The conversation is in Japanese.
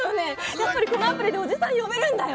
やっぱりこのアプリでおじさん呼べるんだよ。